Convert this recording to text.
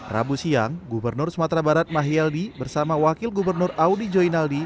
rabu siang gubernur sumatera barat mahyaldi bersama wakil gubernur audi joinaldi